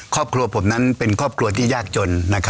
ครอบครัวผมนั้นเป็นครอบครัวที่ยากจน